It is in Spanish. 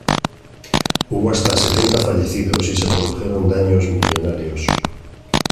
Hubo hasta setenta fallecidos y se produjeron daños millonarios.